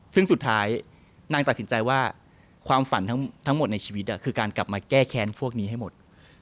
ซึ่งสุดท้ายนางตัดสินใจว่าความฝันทั้งหมดในชีวิตคือการกลับมาแก้แค้นพวกนี้ให้หมด